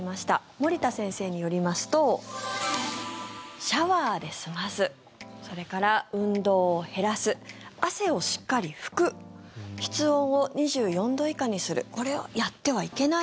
森田先生によりますとシャワーで済ますそれから、運動を減らす汗をしっかり拭く室温を２４度以下にするこれはやってはいけないと。